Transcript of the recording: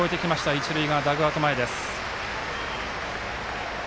一塁側、ダグアウト前。